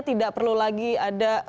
tidak perlu lagi ada